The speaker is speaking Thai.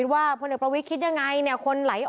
จะได้ปิดพักไปเลย